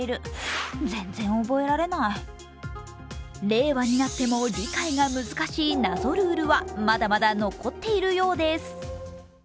令和になっても理解が難しい謎ルールはまだまだ残っているようです。